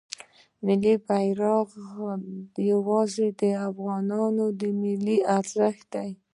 ملی درې رنګه بیرغ یواځې د افغانانو دی او یو ملی ارزښت دی.